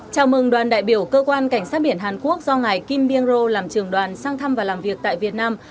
chào mừng đoàn đại biểu cơ quan cảnh sát biển hàn quốc do ngài kim byung ro làm trường đoàn sang thăm và làm việc tại việt nam